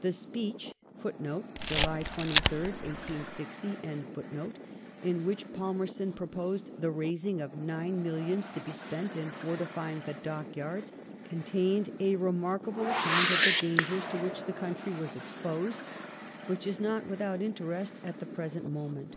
The speech,* in which Palmerston proposed the raising of nine millions to be spent in fortifying the dockyards^ contained a remarkable account of the dangers to which the country was exposed, which is not without interest at the present moment.